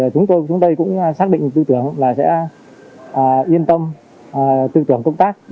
chúng tôi cũng xác định tư tưởng là sẽ yên tâm tư tưởng công tác